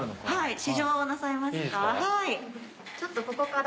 はい。